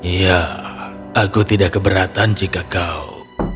ya aku tidak keberatan jika kau